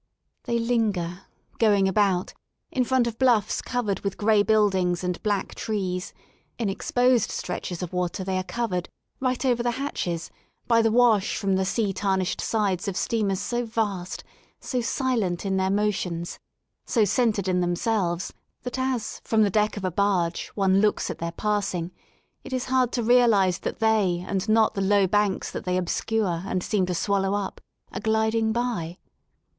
They linger, going about, in front of bluffs covered with gray build ings and black trees; in exposed stretches of water they are covered, right over the hatches, by the wash from the sea tarnished sides of steamers so vast, so silent in their motions^ so centred in themselves, that as, from the deck of a barge, one looks at their passing, it is hard to realise that they and not the low banks that they obscure and seem to swallow up, are gliding by.